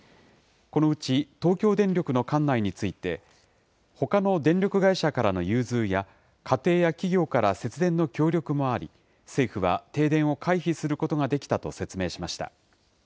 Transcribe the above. このうち、東京電力の管内について、ほかの電力会社からの融通や、家庭や企業から節電の協力もあり、政府は停電を回避することができたと説明しました。